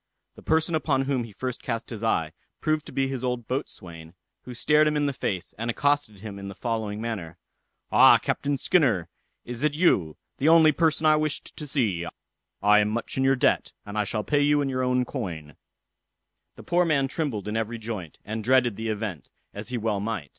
The person upon whom he first cast his eye, proved to be his old boatswain, who stared him in the face, and accosted him in the following manner: "Ah, Captain Skinner, is it you? the only person I wished to see: I am much in your debt, and I shall pay you all in your own coin." The poor man trembled in every joint, and dreaded the event, as he well might.